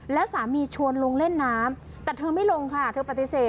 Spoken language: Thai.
แล้วสามีชวนลงเล่นน้ำแต่เธอไม่ลงค่ะเธอปฏิเสธ